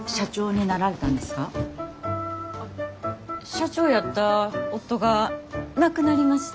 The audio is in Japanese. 社長やった夫が亡くなりまして。